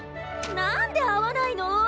なんで合わないの！